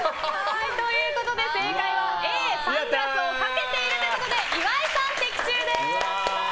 正解はＡのサングラスをかけているということで岩井さん、的中です！